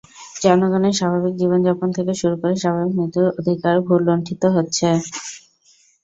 জনগণের স্বাভাবিক জীবনযাপন থেকে শুরু করে স্বাভাবিক মৃত্যুর অধিকার ভূলুণ্ঠিত হচ্ছে।